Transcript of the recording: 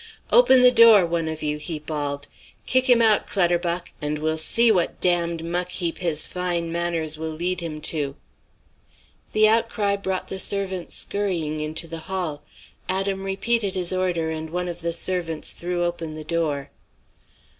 "'Open the door, one of you!' he bawled. 'Kick him out, Clutterbuck, and we'll see what damned muck heap his fine manners will lead him to.' "The outcry brought the servants scurrying into the hall. Adam repeated his order and one of the servants threw open the door.